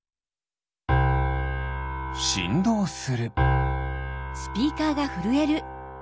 しんどうする。